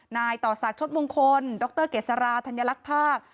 นายต่อศักดิ์ชดมงคลดรเกษราธัญลักษณ์ภาค